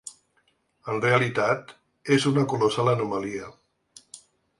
En realitat, és una colossal anomalia.